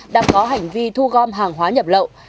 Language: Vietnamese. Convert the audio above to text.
đang có hành vi thu gom hàng hóa nhập lậu